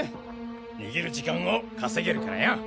逃げる時間を稼げるからよ。